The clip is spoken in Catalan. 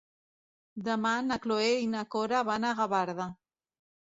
Demà na Cloè i na Cora van a Gavarda.